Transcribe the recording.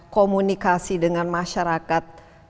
komunikasi dengan masyarakat